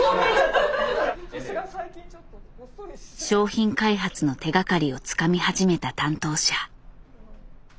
商品開発の手がかりをつかみ始めた担当者。